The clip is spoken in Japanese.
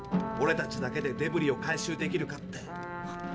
オレたちだけでデブリを回収できるかって。